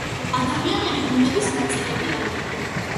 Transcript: ადამიანები ბუნების ნაწილები არიან